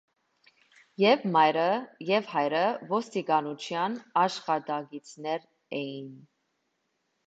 Եվ մայրը, և հայրը ոստիկանության աշխատակիցներ էին։